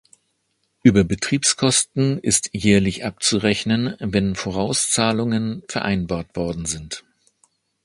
Über Betriebskosten ist jährlich abzurechnen, wenn Vorauszahlungen vereinbart worden sind.